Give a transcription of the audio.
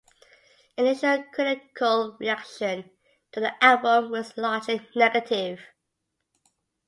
Initial critical reaction to the album was largely negative.